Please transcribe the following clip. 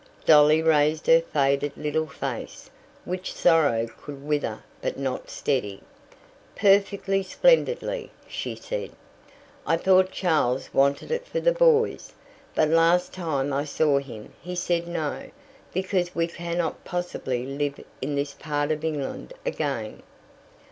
Dolly raised her faded little face, which sorrow could wither but not steady. "Perfectly splendidly," she said. "I thought Charles wanted it for the boys, but last time I saw him he said no, because we cannot possibly live in this part of England again.